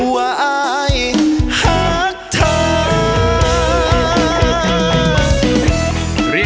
ว่าอ้าย